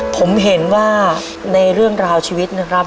ผมเห็นว่าในเรื่องราวชีวิตนะครับ